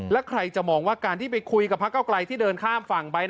แล้วใครจะมองว่าการที่ไปคุยกับพระเก้าไกลที่เดินข้ามฝั่งไป